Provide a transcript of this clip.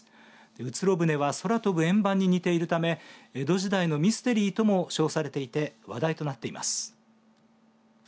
うつろ舟は空飛ぶ円盤に似ているため江戸時代のミステリーとも称されていて話題となっています。